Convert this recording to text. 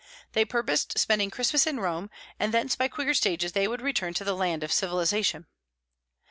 They purposed spending Christmas in Rome, and thence by quicker stages they would return to the land of civilization.